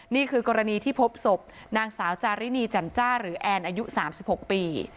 นี่คือกรณีที่พบศพนางสาวจารินีแจ่มจ้าหรือแอนอายุ๓๖ปี